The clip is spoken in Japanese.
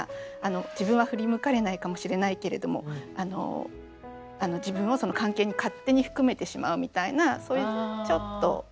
自分は振り向かれないかもしれないけれども自分をその関係に勝手に含めてしまうみたいなそういうちょっと。